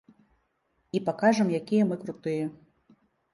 І пакажам, якія мы крутыя.